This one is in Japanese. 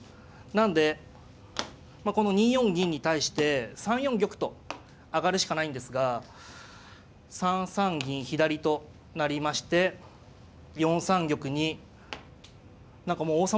なんでこの２四銀に対して３四玉と上がるしかないんですが３三銀左となりまして４三玉に何かもう王様と王様がね